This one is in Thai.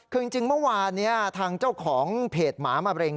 คือจริงเมื่อวานนี้ทางเจ้าของเพจหมามะเร็ง